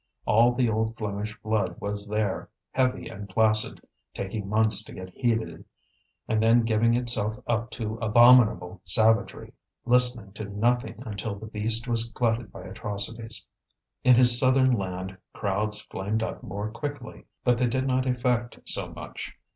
All the old Flemish blood was there, heavy and placid, taking months to get heated, and then giving itself up to abominable savagery, listening to nothing until the beast was glutted by atrocities. In his southern land crowds flamed up more quickly, but they did not effect so much.